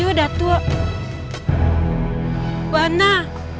oh kita buat gila aneh